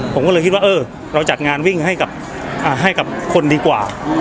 ผมก็เลยคิดว่าเออเราจัดงานวิ่งให้กับคนดีกว่า